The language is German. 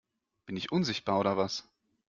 Bin ich unsichtbar oder was?